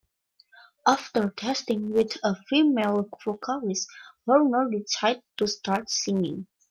After testing with a female vocalist, Hoerner decided to start singing.